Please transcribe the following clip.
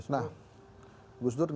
nah gus dur